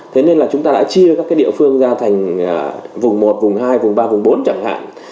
thế nên là chúng ta đã chia các cái địa phương ra thành vùng một vùng hai vùng ba vùng bốn chẳng hạn